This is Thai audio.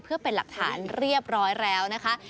เพื่อเป็นหลักฐานเรียบร้อยแล้วนะคะ